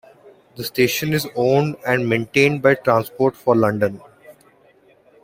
The station is owned and maintained by Transport for London.